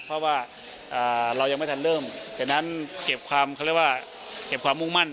เพราะว่าเรายังไม่ทันเริ่มฉะนั้นเก็บความเขาเรียกว่าเก็บความมุ่งมั่น